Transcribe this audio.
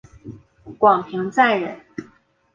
广平酂人。